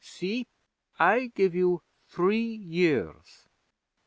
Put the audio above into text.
See, I give you three years.